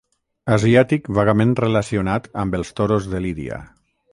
Asiàtic vagament relacionat amb els toros de lídia.